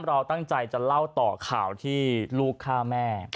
เราตั้งใจจะเล่าต่อข่าวที่ลูกฆ่าแม่